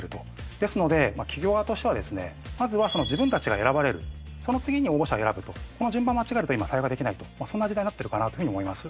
ですので企業側としてはですねまずは自分たちが選ばれるその次に応募者を選ぶとこの順番を間違えると今採用ができないとそんな時代になってるかなというふうに思います。